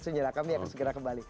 sejarah kami akan segera kembali